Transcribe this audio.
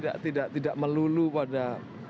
jadi tidak melulu pada